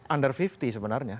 under lima puluh sebenarnya